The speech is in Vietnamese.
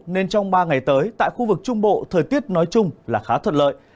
nên trong ba ngày tới tại khu vực trung bộ thời tiết nói chung là khá thuận lợi